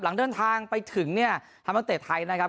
หลังเดินทางไปถึงธรรมนักเตรียมไทยนะครับ